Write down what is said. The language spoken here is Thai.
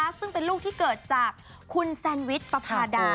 ซึ่งเป็นลูกที่เกิดจากคุณแซนวิชปภาดา